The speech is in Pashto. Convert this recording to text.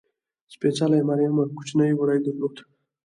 سپېڅلې مریم یو کوچنی وری درلود.